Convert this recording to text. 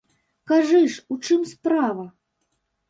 Кажы ж, у чым справа?